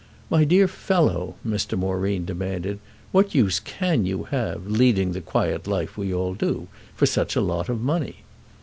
"My dear fellow," Mr. Moreen demanded, "what use can you have, leading the quiet life we all do, for such a lot of money?"